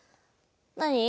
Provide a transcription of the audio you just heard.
何？